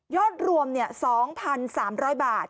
ยอดรวมนี้๒๓๐๐บาท